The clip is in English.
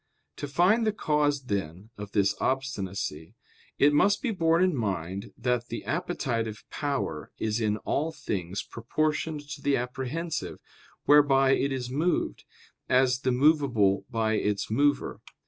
To find the cause, then, of this obstinacy, it must be borne in mind that the appetitive power is in all things proportioned to the apprehensive, whereby it is moved, as the movable by its mover.